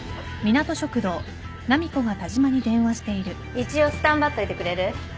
一応スタンバっといてくれる？